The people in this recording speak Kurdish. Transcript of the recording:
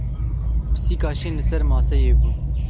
Pisîka şîn li ser maseyê bû.